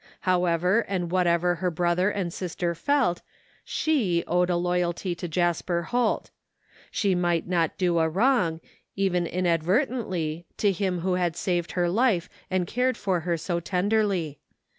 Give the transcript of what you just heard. However and whatever her brother and sister felt, she owed a loyalty to Jasper Holt. She might not do a wrong, even inadvertently, to him who had saved her life and cared for her so tenderly.